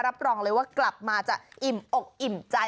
รับรองเลยว่ากลับมาจะอิ่มอกอิ่มใจ